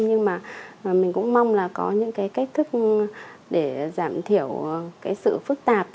nhưng mà mình cũng mong là có những cái cách thức để giảm thiểu cái sự phức tạp